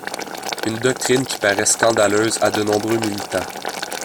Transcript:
Une doctrine qui paraît scandaleuse à de nombreux militants.